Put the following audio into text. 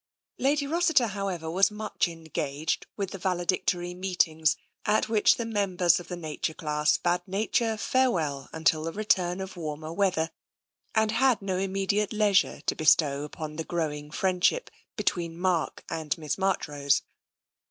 Lady Rossiter, however, was much engaged with the valedictory meetings at which the members of the nature class bade nature farewell until the return of warmer weather, and had no immediate leisure to be stow upon the growing friendship between Mark and Miss Marchrose.